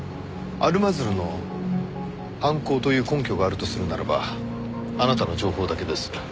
アルマズルの犯行という根拠があるとするならばあなたの情報だけです。